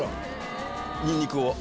ニンニクを。